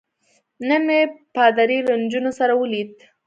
نن مې پادري له نجونو سره ولید.